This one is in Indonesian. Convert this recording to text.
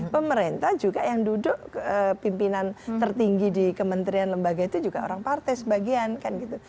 pemerintah juga yang duduk pimpinan tertinggi di kementerian lembaga itu juga orang partai sebagian kan gitu